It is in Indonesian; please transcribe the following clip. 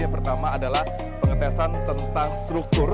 yang pertama adalah pengetesan tentang struktur